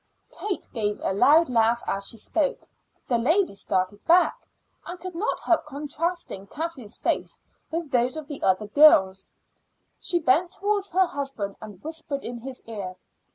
Kate gave a loud laugh as she spoke. The lady started back, and could not help contrasting Kathleen's face with those of the other girls. She bent towards her husband and whispered in his ear.